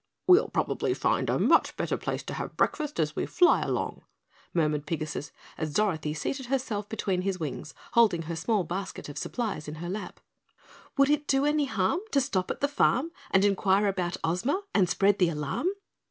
"We'll probably find a much better place to have breakfast as we fly along," murmured Pigasus as Dorothy seated herself between his wings, holding her small basket of supplies in her lap. "Would it do any harm to stop at the farm And enquire about Ozma and spread the alarm?"